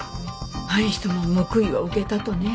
あの人も報いを受けたとね。